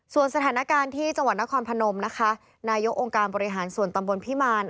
ส่วนสถานการณ์ที่จังหวัดนครพนมนะคะนายกองค์การบริหารส่วนตำบลพิมาร